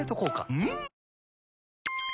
うん！